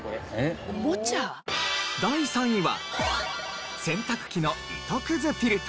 第３位は洗濯機の糸くずフィルタ。